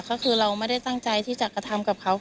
ก็คือเราไม่ได้ตั้งใจที่จะกระทำกับเขา